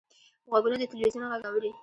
غوږونه د تلویزیون غږ اوري